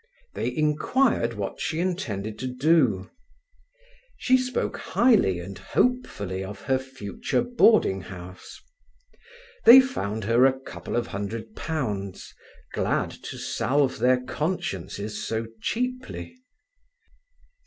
They inquired what she intended to do. She spoke highly and hopefully of her future boarding house. They found her a couple of hundred pounds, glad to salve their consciences so cheaply.